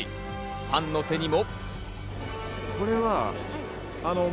ファンの手にも。